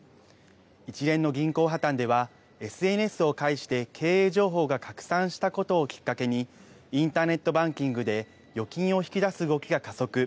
一連の銀行破綻ではＳＮＳを介して経営情報が拡散したことをきっかけにインターネットバンキングで預金を引き出す動きが加速。